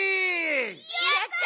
やった！